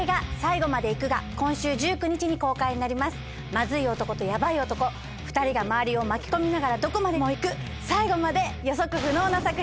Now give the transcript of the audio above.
マズい男とヤバい男２人が周りを巻き込みながらどこまでも行く最後まで予測不能な作品です。